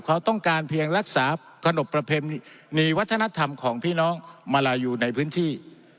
เขาต้องการเพียงรักษาขนบประเพณีวัฒนธรรมของพี่น้องมาลายูในพื้นที่